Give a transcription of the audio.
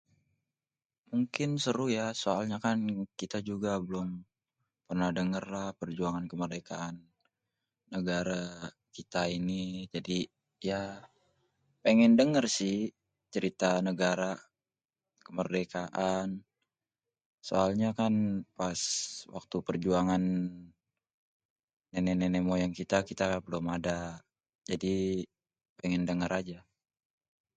Mungkin seru ya soalnya kan kita juga blum pernah denger perjuangan negara kita ini, jadi ya pengen denger sih cerita negara kemerdekaan. Soalnya kan pas waktu perjuangan nenek-nenek moyang kita, kita belom ada, jadi pengen denger aja.